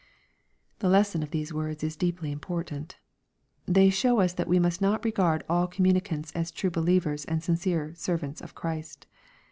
The lesson of these words is deeply important. They Bhow us that we must not regard all communicants as true believers and sincere servants of Christ.